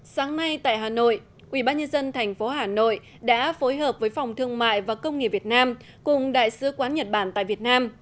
sáng nay tại hà nội ubnd tp hà nội đã phối hợp với phòng thương mại và công nghiệp việt nam cùng đại sứ quán nhật bản tại việt nam